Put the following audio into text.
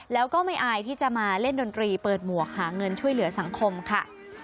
แล้วก็ไม่อายที่จะมาเล่นดนตรีเปิดหมวกหาเงินช่วยเหลือสังคมค่ะ